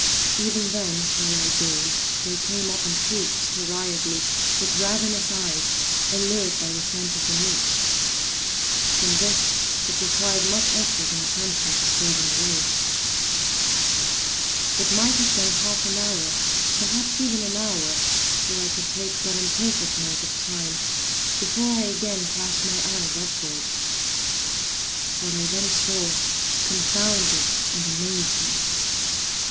Even then, while I gazed, they came up in troops, hurriedly, with ravenous eyes, allured by the scent of the meat. From this it required much effort and attention to scare them away. It might have been half an hour, perhaps even an hour, (for I could take but imperfect note of time) before I again cast my eyes upward. What I then saw confounded and amazed me.